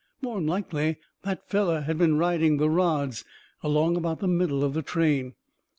More'n likely that feller has been riding the rods, along about the middle of the train.